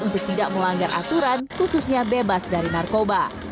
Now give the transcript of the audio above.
untuk tidak melanggar aturan khususnya bebas dari narkoba